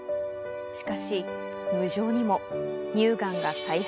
しかし、無情にも乳がんが再発。